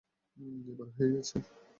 এবার হয়ে গেছে।